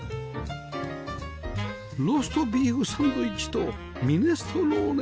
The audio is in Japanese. ローストビーフサンドイッチとミネストローネです